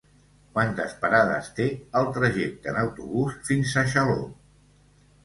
Quantes parades té el trajecte en autobús fins a Xaló?